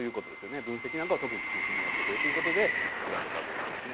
分析なんかを特に中心にやってくれということで作られたということですね。